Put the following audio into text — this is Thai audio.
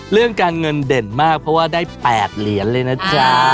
เรื่องการเงินเด่นมากเพราะว่าได้๘เหรียญเลยนะจ๊ะ